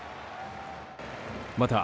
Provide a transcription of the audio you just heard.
また、